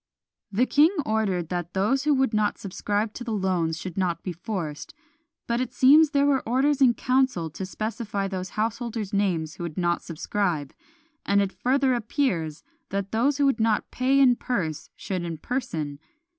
The king ordered that those who would not subscribe to the loans should not be forced; but it seems there were orders in council to specify those householders' names who would not subscribe; and it further appears that those who would not pay in purse should in person.